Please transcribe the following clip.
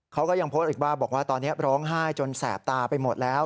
เขาก็ยังโพสต์อีกว่าบอกว่าตอนนี้ร้องไห้จนแสบตาไปหมดแล้ว